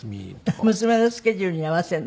娘のスケジュールに合わせるの？